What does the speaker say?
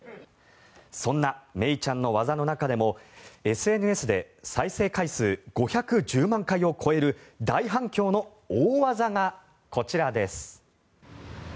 そんなメイちゃんの技の中でもＳＮＳで再生回数５１０万回を超える大反響の大技がこちらです。